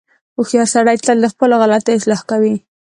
• هوښیار سړی تل د خپلو غلطیو اصلاح کوي.